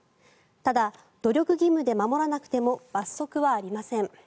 ただ、努力義務で、守らなくても罰則はありません。